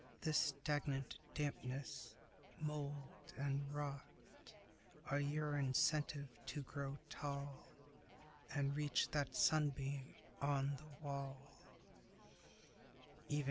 This stagnant dampness, mold and rot Are your incentive to grow tall And reach that sunbeam on the wall."